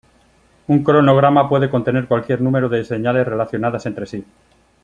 Un cronograma puede contener cualquier número de señales relacionadas entre sí.